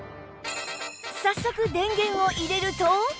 早速電源を入れると